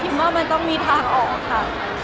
ว่ามันต้องมีทางออกค่ะ